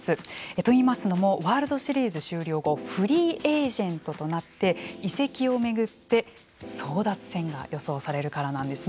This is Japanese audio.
といいますのはワールドシリーズ終了後フリーエージェントとなって移籍を巡って争奪戦が予想されるからなんです。